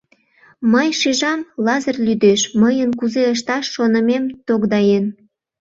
— Мый шижам: Лазыр лӱдеш, мыйын кузе ышташ шонымем тогдаен.